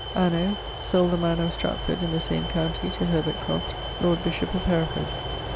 Anno ... sold the manor of Stratford in the same county to Herbert lord bishop of Hereford.